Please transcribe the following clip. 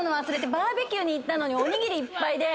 バーベキューに行ったのにおにぎりいっぱいで。